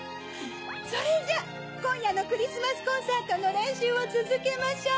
それじゃあこんやのクリスマスコンサートのれんしゅうをつづけましょう。